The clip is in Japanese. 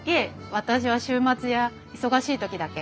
私は週末や忙しい時だけ。